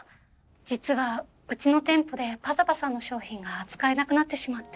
実はうちの店舗で「ｐａｚａｐａ」さんの商品が扱えなくなってしまって。